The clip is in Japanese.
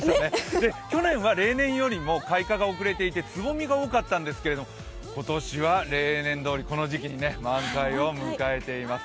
去年は例年よりも開花が遅れていてつぼみが多かったんですけれども、今年は例年どおりこの時期に満開を迎えています。